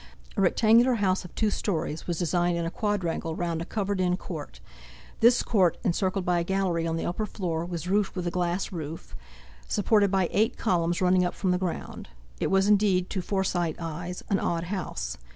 A rectangular house of two stories was designed in a quadrangle round a covered in court. This court, encircled by a gallery on the upper floor, was roofed with a glass roof, supported by eight columns running up from the ground. It was indeed, to Forsyte eyes, an odd house.